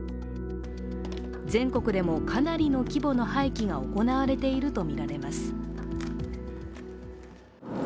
全国でもかなりの規模の廃棄が行われているとみられます。